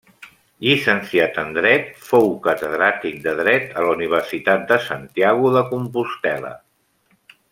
Llicenciat en dret, fou catedràtic de dret a la Universitat de Santiago de Compostel·la.